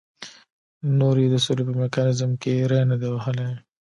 نور یې د سولې په میکانیزم کې ری نه دی وهلی.